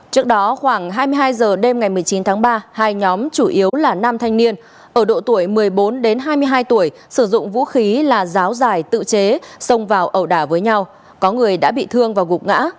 trước đó khoảng hai mươi hai h đêm ngày một mươi chín tháng ba hai nhóm chủ yếu là năm thanh niên ở độ tuổi một mươi bốn đến hai mươi hai tuổi sử dụng vũ khí là giáo giải tự chế xông vào ẩu đả với nhau